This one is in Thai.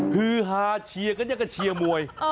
ฮือฮาเชียร์กันอย่างกับเชียร์มวย